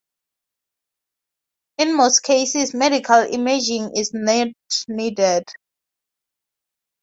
In most cases medical imaging is not needed.